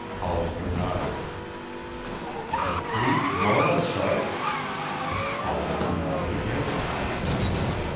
Hollister nodded. "Complete normal sight?" Hollister nodded again.